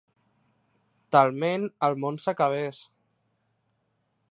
Talment el món s'acabés.